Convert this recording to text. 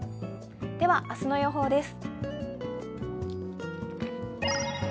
では明日の予報です。